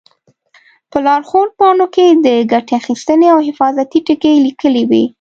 په لارښود پاڼو کې د ګټې اخیستنې او حفاظتي ټکي لیکلي وي.